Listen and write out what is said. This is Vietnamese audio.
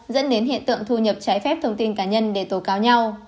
dẫn đến hiện tượng thu nhập trái phép thông tin cá nhân để tố cáo nhau